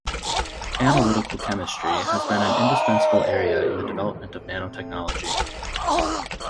Analytical chemistry has been an indispensable area in the development of nanotechnology.